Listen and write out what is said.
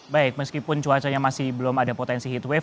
baik meskipun cuacanya masih belum ada potensi heat wave